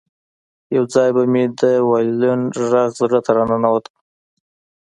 یو ځای به مې د وایلون غږ زړه ته راننوت